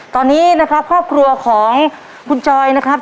ตอนนี้นะครับครอบครัวของคุณจอยนะครับ